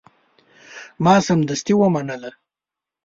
ما سمدستي ومنله.